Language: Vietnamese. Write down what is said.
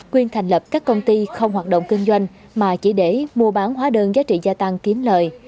quyên thành lập các công ty không hoạt động kinh doanh mà chỉ để mua bán hóa đơn giá trị gia tăng kiếm lời